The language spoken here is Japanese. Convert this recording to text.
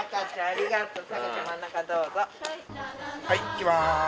はいいきます